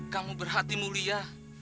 kamu berhati mulia